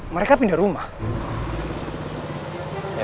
mereka pindah rumah